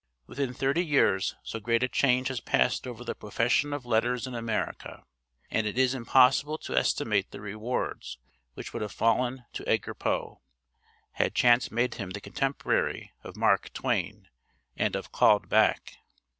Within thirty years so great a change has passed over the profession of letters in America; and it is impossible to estimate the rewards which would have fallen to Edgar Poe, had chance made him the contemporary of Mark Twain and of 'Called Back.'